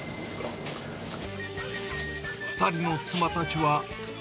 ２人の妻たちは。